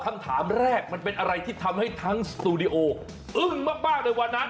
คำถามแรกมันเป็นอะไรที่ทำให้ทั้งสตูดิโออึ้งมากในวันนั้น